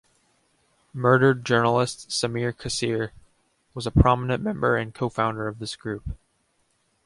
Murdered journalist Samir Kassir was a prominent member and co-founder of this group.